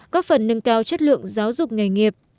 có phần nâng cao chất lượng giáo dục nghề nghiệp